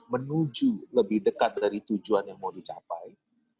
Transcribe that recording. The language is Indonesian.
menuju lebih dekat dari tujuan yang mau dicapai